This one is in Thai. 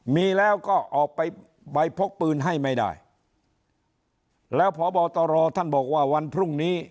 มีแล้วก็ออกไปใบพกปืนให้ไม่ได้แล้วพบตรท่านบอกว่าวันพรุ่งนี้